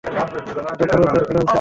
এটা পুরো তোর প্লান ছিল।